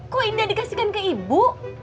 kok indah dikasihkan ke ibu